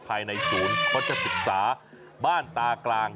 ภายในศูนย์โฆษศึกษาบ้านตากลาง